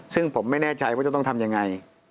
ซึ่งผมไม่แน่ใจว่าจะต้องทำยังไง